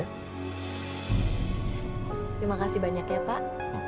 terima kasih banyak ya pak